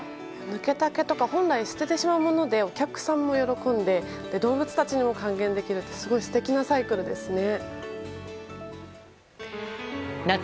抜けた毛とか本来捨ててしまうものでお客さんも喜んで動物たちにも還元できるってすごい素敵なサイクルですね。